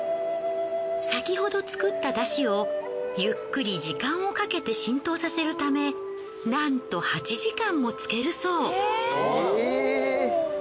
先ほど作った出汁をゆっくり時間をかけて浸透させるためなんと８時間も漬けるそう。